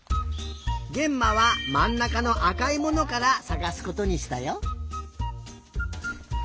げんまはまんなかの「あかいもの」からさがすことにしたよ。